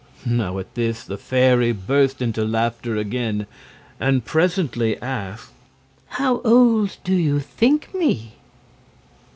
Now at this the fairy burst into laughter again, and presently asked: "How old do you think me?"